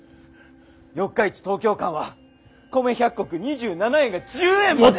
四日市東京間は米１００石２７円が１０円まで。